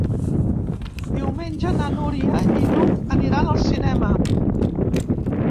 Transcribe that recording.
Diumenge na Núria i n'Hug aniran al cinema.